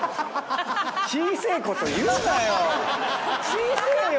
小せえよ！